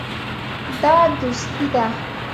دا دوستي ده.